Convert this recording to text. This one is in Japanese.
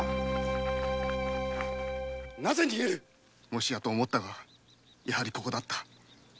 もしやと思ったがやはりここだった。